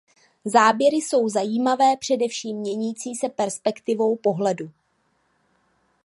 Záběry jsou zajímavé především měnící se perspektivou pohledu.